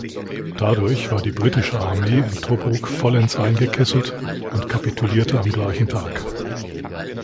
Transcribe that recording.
Dadurch war die britische Armee in Tobruk vollends eingekesselt und kapitulierte am gleichen Tag.